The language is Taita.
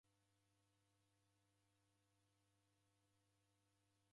Ndewikunde kudidederia.